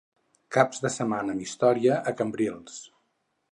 Caps de setmana amb història a Cambrils.